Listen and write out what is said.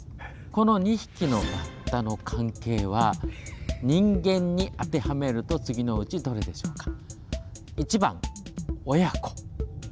この２匹のバッタの関係は人間に当てはめると次のうちどれでしょうか？